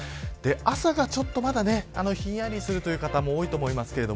朝がまだひんやりするという方も多いと思いますけど。